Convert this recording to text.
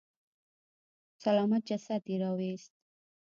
سلامت جسد يې راويست.